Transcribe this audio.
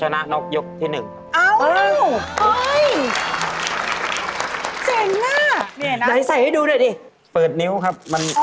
รักครับ